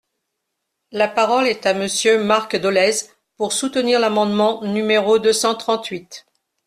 La parole est à Monsieur Marc Dolez, pour soutenir l’amendement numéro deux cent trente-huit.